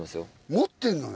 持ってんのね。